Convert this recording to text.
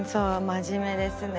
真面目ですね。